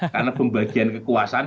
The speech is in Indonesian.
karena pembagian kekuasaan